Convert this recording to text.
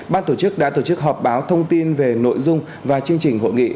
ban tổ chức đã tổ chức họp báo thông tin về nội dung và chương trình hội nghị